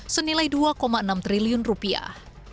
senilai dua enam triliun rupiah